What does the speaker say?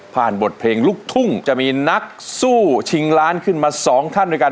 บทเพลงลูกทุ่งจะมีนักสู้ชิงล้านขึ้นมา๒ท่านด้วยกัน